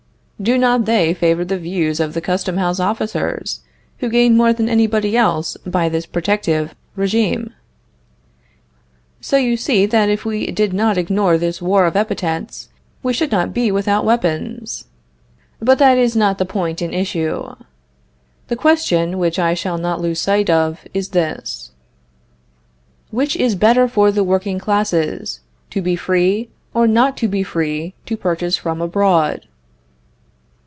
Do not they favor the views of the Custom House officers, who gain more than anybody else by this protective regime? So you see that if we did not ignore this war of epithets, we should not be without weapons. But that is not the point in issue. The question which I shall not lose sight of is this: _Which is better for the working classes, to be free or not to be free to purchase from abroad?